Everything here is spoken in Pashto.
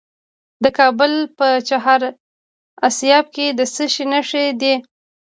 د کابل په چهار اسیاب کې د څه شي نښې دي؟